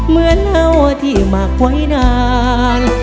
เหมือนเงาที่หมักไว้นาน